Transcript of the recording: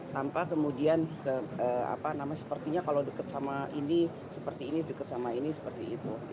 tanpa kemudian sepertinya kalau dekat sama ini seperti ini dekat sama ini seperti itu